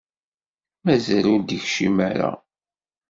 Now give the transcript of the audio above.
Mazal ur d-ikcim ara.